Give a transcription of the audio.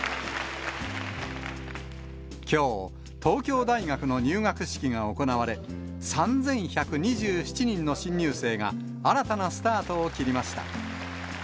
きょう、東京大学の入学式が行われ、３１２７人の新入生が、新たなスタートを切りました。